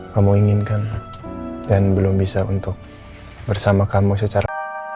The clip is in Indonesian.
kamu inginkan dan belum bisa untuk bersama kamu secara